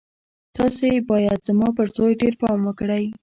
تاسې بايد زما پر زوی ډېر پام وکړئ.